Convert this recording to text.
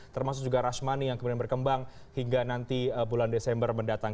termasuk juga rashmani yang kemudian berkembang hingga nanti bulan desember mendatang